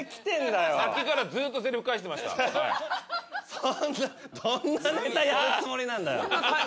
そんなどんなネタやるつもりなんだよ。